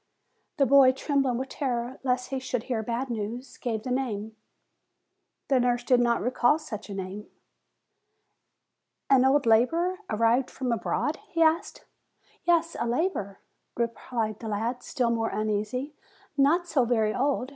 The boy, trembling with terror, lest he should hear bad news, gave the name. The nurse did not recall such a name. "An old laborer, arrived from abroad?" he asked. "Yes, a laborer," replied the lad, still more uneasy; "not so very old.